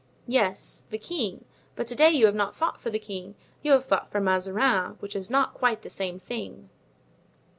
"Yes, the king; but to day you have not fought for the king, you have fought for Mazarin; which is not quite the same thing."